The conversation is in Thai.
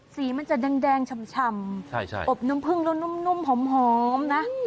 สีมันจะแดงชำอบน้ำพึ่งแล้วนุ่มหอมนะ